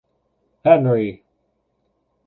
Henry.